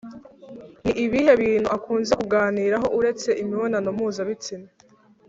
Ni ibihe bintu akunze kuganiraho uretse imibonano mpuzabitsina